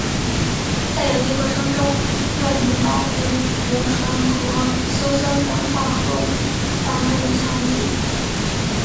在有机合成中用于保护如醇和羧酸等化合物当中的羟基。